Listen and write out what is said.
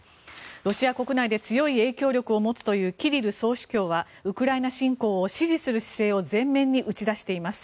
ロシア国内で強い影響力を持つというキリル総主教はウクライナ侵攻を支持する姿勢を前面に打ち出しています。